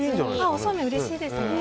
おそうめん、うれしいですよね。